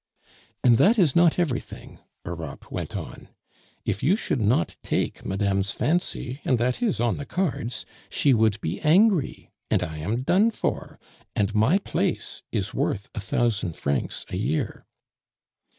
"And that is not everything," Europe went on. "If you should not take madame's fancy and that is on the cards she would be angry, and I am done for! and my place is worth a thousand francs a year."